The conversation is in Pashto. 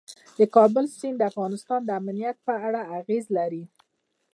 د کابل سیند د افغانستان د امنیت په اړه اغېز لري.